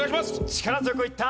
力強くいった。